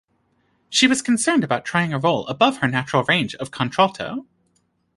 She was concerned about trying a role above her natural range of contralto.